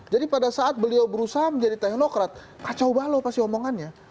jadi pada saat beliau berusaha menjadi tenyokrat kacau balo pasti omongannya